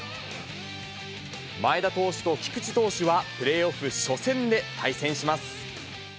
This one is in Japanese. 前田投手と菊池投手は、プレーオフ初戦で対戦します。